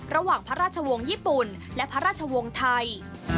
ระหว่างพระราชวงศ์ญี่ปุ่นและพระราชวงศ์ไทย